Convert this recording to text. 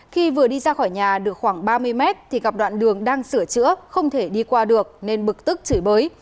khi vừa đi ra khỏi nhà được khoảng ba mươi mét thì gặp đoạn đường đang sửa chữa không thể đi qua được nên bực tức chửi bới